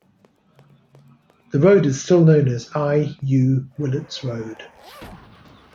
The road is still known as I U Willets Road.